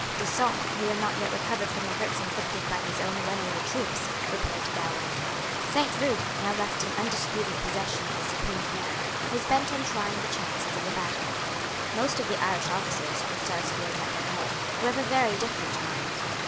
D'Usson, who had not yet recovered from the hurts inflicted by his own runaway troops, repaired to Galway. Saint Ruth, now left in undisputed possession of the supreme command, was bent on trying the chances of a battle. Most of the Irish officers, with Sarsfield at their head, were of a very different mind.